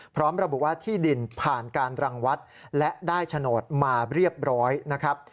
พร้อมระบุว่าที่ดินผ่านการรังวัดและได้โฉนดมาเรียบร้อยนะครับ